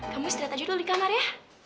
kamu istirahat aja dulu di kamar ya